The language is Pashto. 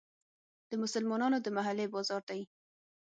د مسلمانانو د محلې بازار دی.